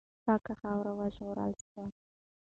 پاکه خاوره وژغورل سوه.